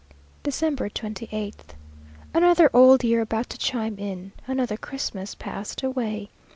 December 28th. Another old year about to chime in! Another Christmas past away!